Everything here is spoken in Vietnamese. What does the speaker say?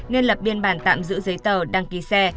nên lập biên bản tạm giữ giấy tờ đăng ký xe